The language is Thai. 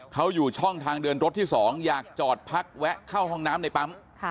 เขาอยู่ช่องทางเดินรถที่๒อยากจอดพักแวะเข้าห้องน้ำในปั๊ม